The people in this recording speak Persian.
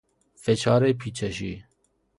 فشار پیچشی